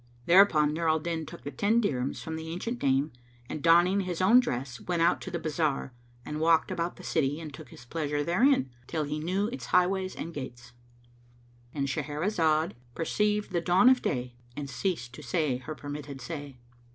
Thereupon Nur al Din took the ten dirhams from the ancient dame, and donning his own dress, went out to the bazar and walked about the city and took his pleasure therein, till he knew its highways and gates,—And Shahrazad perceived the dawn of day and ceased to say her permitted say.